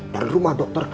jangan saya tidak maju